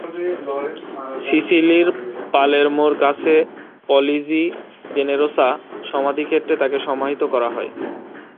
সিসিলির পালেরমোর কাছে পলিজি জেনেরোসা সমাধিক্ষেত্রে তাকে সমাহিত করা হয়।